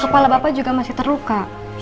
kepala bapak juga masih terluka